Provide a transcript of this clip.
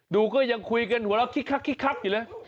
ดูก็ยังคุยกันหัวแล้วคิดคับคิดคับอยู่แล้ว